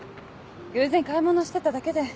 偶然買い物してただけで。